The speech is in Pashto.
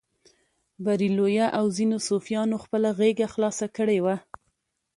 بریلویه او ځینو صوفیانو خپله غېږه خلاصه کړې وه.